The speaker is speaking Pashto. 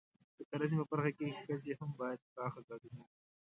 د کرنې په برخه کې ښځې هم باید پراخ ګډون وکړي.